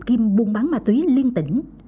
kim buôn bán ma túy liên tỉnh